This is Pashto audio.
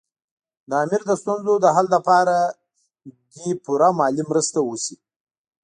د امیر د ستونزو د حل لپاره دې پوره مالي مرستې وشي.